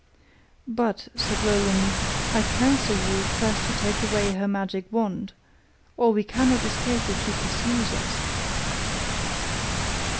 'But,' said Roland, 'I counsel you first to take away her magic wand, or we cannot escape if she pursues us.